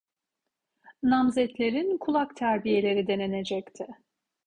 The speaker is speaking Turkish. Namzetlerin kulak terbiyeleri denenecekti.